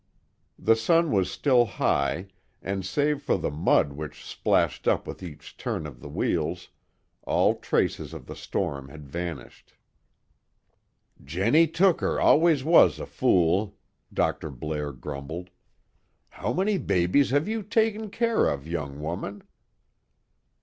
The sun was still high, and save for the mud which splashed up with each turn of the wheels, all traces of the storm had vanished. "Jennie Tooker always was a fool!" Dr. Blair grumbled. "How many babies have you taken care of, young woman?"